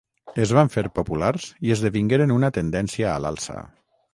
Es van fer populars i esdevingueren una tendència a l'alça.